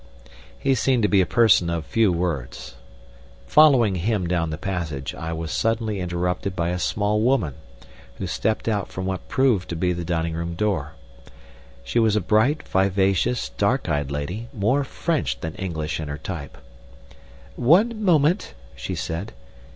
He seemed to be a person of few words. Following him down the passage I was suddenly interrupted by a small woman, who stepped out from what proved to be the dining room door. She was a bright, vivacious, dark eyed lady, more French than English in her type. "One moment," she said.